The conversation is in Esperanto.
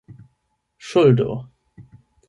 ŝuldo